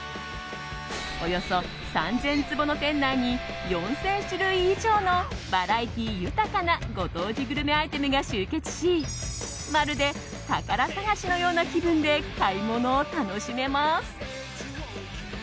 およそ３０００坪の店内に４０００種類以上のバラエティー豊かなご当地グルメアイテムが集結しまるで宝探しのような気分で買い物を楽しめます。